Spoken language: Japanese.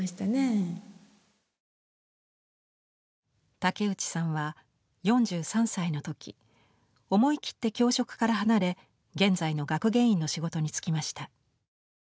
竹内さんは、４３歳のとき思い切って教職から離れ現在の学芸員の仕事に就きました。